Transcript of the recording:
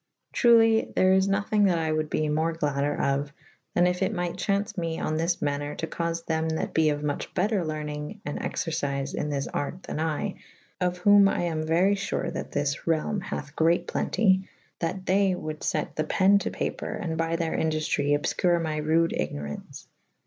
Truely there is nothyng that I wolde be more gladder of/ tha« if it might chauwce me on thw maner to caufe thewz that be of moch better lernynge & excercife in this arte tha;z I, of who;« I am uery fure that this realme hath great plenty / that they wolde fat the pe«ne to the paper /& by their i;;duftry obfcure my rude igno rau«ce.